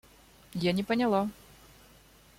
Я не поняла.